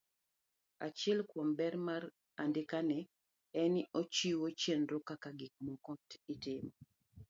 Achiel kuom ber mar andikani en ni ochiwo chenro kaka gik moko itimo.